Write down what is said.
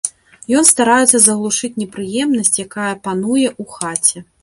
Ён стараецца заглушыць непрыемнасць, якая пануе ў хаце.